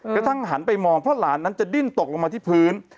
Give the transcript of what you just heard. กระทั่งหันไปมองเพราะหลานนั้นจะดิ้นตกลงมาที่พื้น